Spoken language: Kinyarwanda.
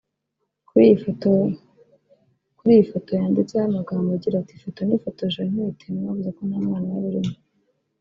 Kuri iyi foto yanditseho amagambo agira ati “Ifoto nifotoje ntwite mwavuze ko nta mwana wari urimo